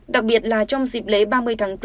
đặc biệt là trong dịp lễ ba mươi tháng bốn